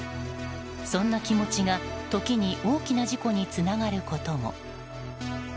そんな気持ちが、時に大きな事故につながることも。